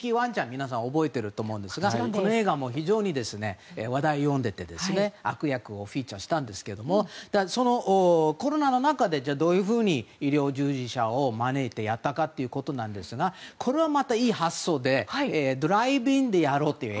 皆さん覚えていると思うんですがこの映画は非常に話題を呼んでいて悪役をフィーチャーしたんですがそのコロナの中でどういうふうに医療従事者を招いてやったかということですがこれはまたいい発想でドライブインでやろうと。